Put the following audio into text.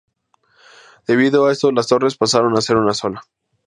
Debido a esto las torres pasaron a ser una sola.